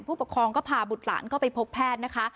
ผู้ปกครองก็พาบุตรหลานเข้าไปพบแพทย์นะคะ